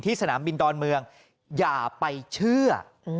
สนามบินดอนเมืองอย่าไปเชื่อ